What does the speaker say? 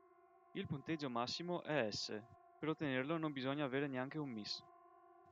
Il punteggio massimo è S, per ottenerlo non bisogna avere neanche un Miss.